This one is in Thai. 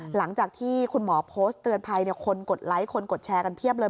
หลังจากที่คุณหมอโพสต์เตือนภัยคนกดไลค์คนกดแชร์กันเพียบเลย